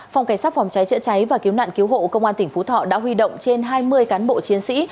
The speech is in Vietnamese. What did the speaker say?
phòng cảnh sát phòng cháy chữa cháy và cứu nạn cứu hộ công an tỉnh phú thọ đã huy động trên hai mươi cán bộ chiến sĩ